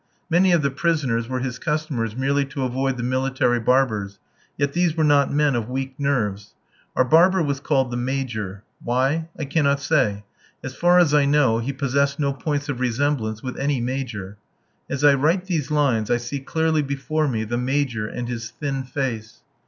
Many of the prisoners were his customers merely to avoid the military barbers, yet these were not men of weak nerves. Our barber was called the "major," why, I cannot say. As far as I know he possessed no points of resemblance with any major. As I write these lines I see clearly before me the "major" and his thin face.